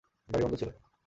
বাড়ি বন্ধ ছিল।